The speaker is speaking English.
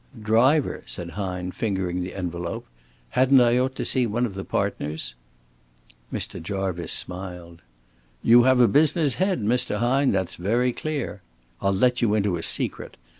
"Driver?" said Hine, fingering the envelope. "Hadn't I ought to see one of the partners?" Mr. Jarvice smiled. "You have a business head, Mr. Hine, that's very clear. I'll let you into a secret.